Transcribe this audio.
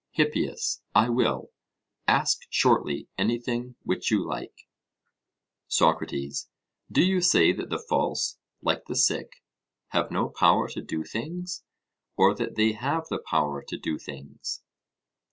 HIPPIAS: I will; ask shortly anything which you like. SOCRATES: Do you say that the false, like the sick, have no power to do things, or that they have the power to do things?